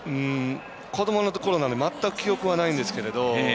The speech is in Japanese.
子どもの頃なので全く記憶はないんですけど。